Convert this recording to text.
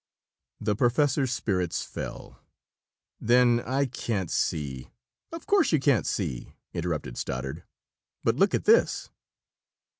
The professor's spirits fell. "Then I can't see " "Of course you can't see!" interrupted Stoddard. "But look at this!"